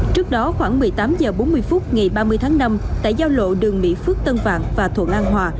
trước đó khoảng một mươi tám h bốn mươi phút ngày ba mươi tháng năm tại giao lộ đường mỹ phước tân vạn và thuận an hòa